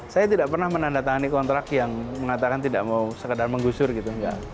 saya tidak pernah menandatangani kontrak yang mengatakan tidak mau sekedar menggusur gitu